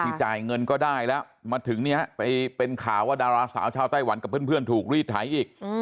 จ่ายเงินก็ได้แล้วมาถึงเนี่ยไปเป็นข่าวว่าดาราสาวชาวไต้หวันกับเพื่อนถูกรีดไถอีก